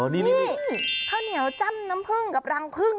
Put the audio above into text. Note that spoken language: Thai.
นี่ข้าวเหนียวจ้ำน้ำผึ้งกับรังพึ่ง